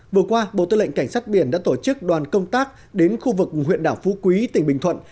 vừa qua bộ tư lệnh cảnh sát biển đã tổ chức đoàn công tác đến khu vực huyện đảo phú quý tỉnh bình thuận